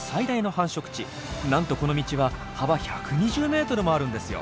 なんとこの道は幅１２０ｍもあるんですよ！